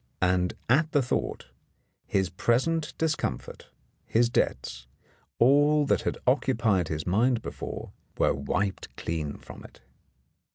And at the thought his present discomfort, his debts, all that had occupied his mind before, were wiped clean from it.